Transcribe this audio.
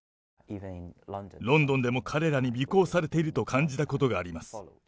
ロンドンでも彼らに尾行されていると感じたことがあります。